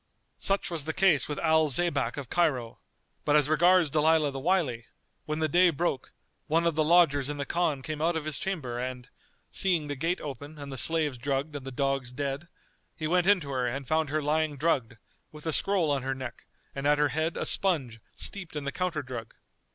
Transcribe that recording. Such was the case with Al Zaybak of Cairo; but as regards Dalilah the Wily, when the day broke, one of the lodgers in the Khan came out of his chamber and, seeing the gate open and the slaves drugged and the dogs dead, he went in to her and found her lying drugged, with a scroll on her neck and at her head a sponge steeped in the counter drug.